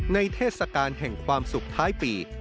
เทศกาลแห่งความสุขท้ายปี